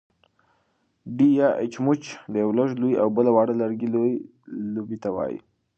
ډی يا اچموچ د يوۀ لږ لوی او بل واړۀ لرګي لوبې ته وايي.